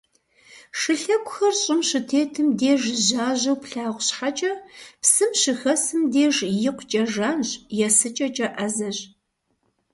Шылъэгухэр щӏым щытетым деж жьажьэу плъагъу щхьэкӏэ, псым щыхэсым деж икъукӏэ жанщ, есыкӏэкӏэ ӏэзэщ.